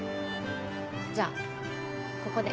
じゃあここで。